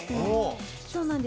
そうなんです。